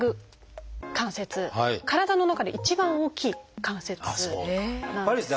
体の中で一番大きい関節なんです。